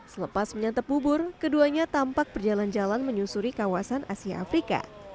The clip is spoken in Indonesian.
selepas menyantap bubur keduanya tampak berjalan jalan menyusuri kawasan asia afrika